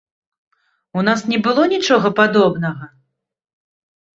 У нас не было нічога падобнага?